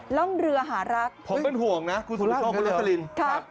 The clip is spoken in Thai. ร่องเรือหารักผมเป็นห่วงนะครับ